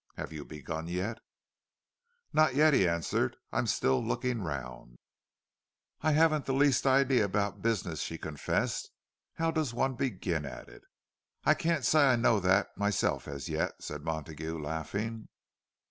Have you begun yet?" "Not yet," he answered. "I'm still looking round." "I haven't the least idea about business," she confessed. "How does one begin at it?" "I can't say I know that myself as yet," said Montague, laughing.